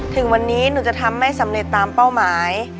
ถึงวันนี้หนูจะทำให้สำเร็จตามเป้าหมาย